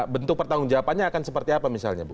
bentuk pertanggung jawabannya akan seperti apa misalnya bu